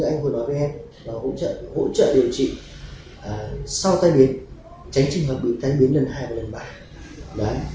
phòng chống tai biến người quỷ và phòng chống các bệnh như anh vừa nói với em và hỗ trợ điều trị sau tai biến tránh trình hợp tai biến lần hai và lần ba